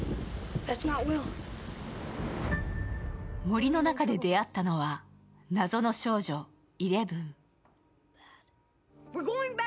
森の中で出会ったのは謎の少女、イレブン。